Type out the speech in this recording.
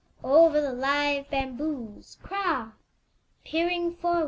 Over the live bamboos, Kra!